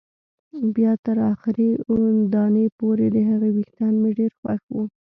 بیا تر اخري دانې پورې، د هغې وېښتان مې ډېر خوښ وو.